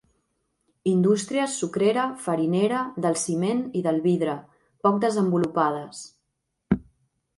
Indústries sucrera, farinera, del ciment i del vidre, poc desenvolupades.